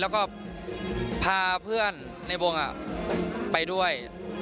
แล้วก็พาเพื่อนในวงไปด้วย